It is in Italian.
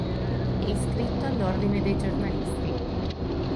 È iscritto all'ordine dei giornalisti.